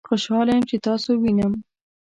خوشحاله یم چې تاسو وینم